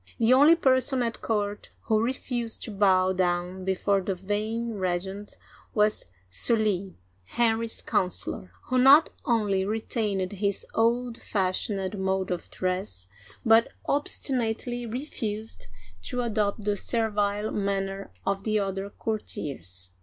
The only person at court who refused to bow down be fore the vain regent was Sully, Henry's counselor, who not only retained his old fashioned mode of dress, but ob stinately refused to adopt the servile manner of the other courtiers.